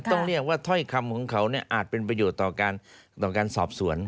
ต้องเรียกว่าถ้อยคำของเขาอาจเป็นประโยชน์ต่อการสอบสวน